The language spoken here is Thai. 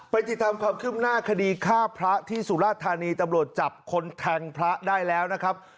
ติดตามความคืบหน้าคดีฆ่าพระที่สุราธานีตำรวจจับคนแทงพระได้แล้วนะครับ